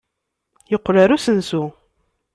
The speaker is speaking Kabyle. Yeqqel ɣer usensu.